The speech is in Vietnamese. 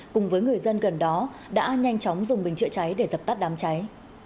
cùng với người dân gần đó đã nhanh chóng dùng bình chữa cháy để dập tắt đám cháy